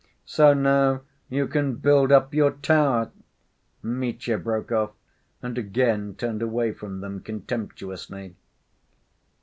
"So now you can build up your tower," Mitya broke off, and again turned away from them contemptuously.